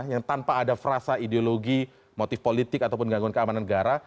yang tanpa ada frasa ideologi motif politik ataupun gangguan keamanan negara